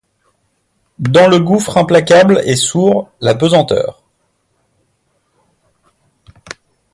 Dans le gouffre implacable et sourd, la pesanteur.